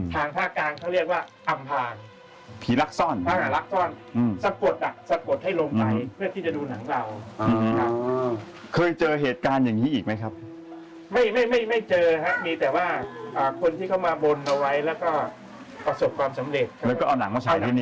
ทางภาคกลางเค้าเรียกว่าอำพาง